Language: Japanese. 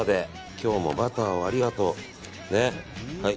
今日もバターをありがとう。